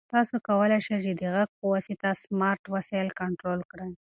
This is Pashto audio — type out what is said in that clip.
تاسو کولای شئ چې د غږ په واسطه سمارټ وسایل کنټرول کړئ.